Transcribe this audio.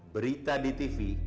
berita di tv